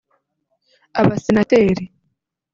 abasenateri